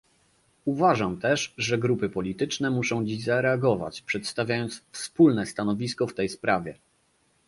Uważam też, że grupy polityczne muszą dziś zareagować, przedstawiając wspólne stanowisko w tej sprawie